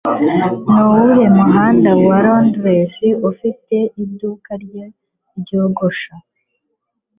Nuwuhe muhanda wa Londres afiteho iduka rye ryogosha?